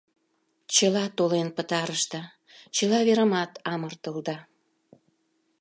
Чыла толен пытарышда, чыла верымат амыртылда...